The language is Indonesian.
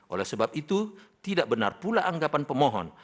oleh sebab itu tidak benar pula anggapan pemohon